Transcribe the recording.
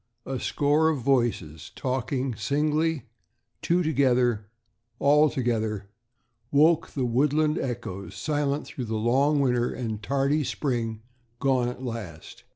A score of voices, talking singly, two together, all together, woke the woodland echoes, silent through the long winter and tardy spring, gone at last.